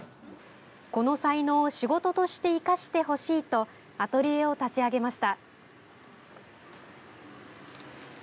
この才能を仕事として生かしてほしいとアトリエを立ち上げました。